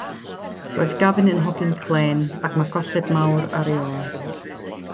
Roedd Gavin yn hogyn clên ac mae colled mawr ar ei ôl.